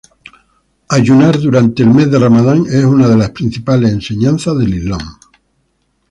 Ayunar durante el mes de Ramadán es una de las principales enseñanzas del Islam.